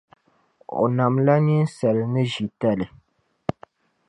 O namla ninsala ni ʒitalli.